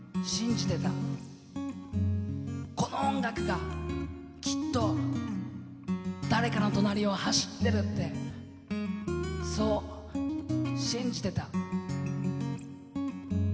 この音楽がきっと誰かの隣を走ってるってそう信じてた。